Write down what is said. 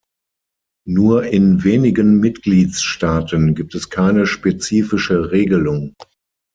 Nur in wenigen Mitgliedsstaaten gibt es keine spezifische Regelung.